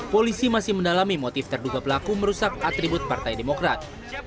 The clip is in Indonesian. polisi masih mendalami motif terduga pelaku merusak atribut partai demokrat